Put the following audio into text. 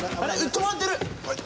止まってる。